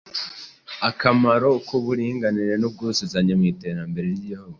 Akamaro k’uburinganire n’ubwuzuzanye mu iterambere ry’Igihugu.